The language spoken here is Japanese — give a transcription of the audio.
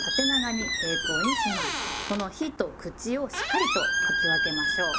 この「日」と「口」をしっかりと書き分けましょう。